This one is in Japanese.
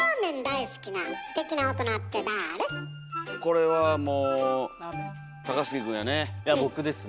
これはもう高杉くんやね。